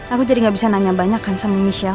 aku jadi gak bisa nanya banyak kan sama michelle